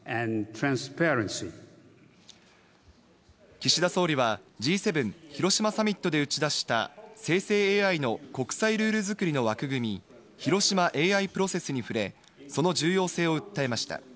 岸田総理はＧ７広島サミットで打ち出した生成ＡＩの国際ルール作りの枠組み、広島ＡＩプロセスに触れ、その重要性を訴えました。